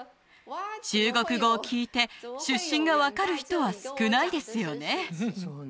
中国語を聞いて出身が分かる人は少ないですよね